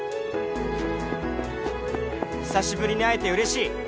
「久しぶりに会えてうれしい。